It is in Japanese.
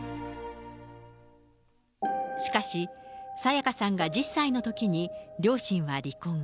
しかし、沙也加さんが１０歳のときに、両親は離婚。